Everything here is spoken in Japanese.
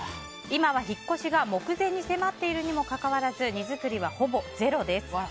今は引っ越しが目前に迫っているにもかかわらず荷造りはほぼゼロです。